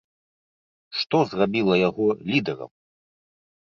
Што зрабіла яго лідэрам?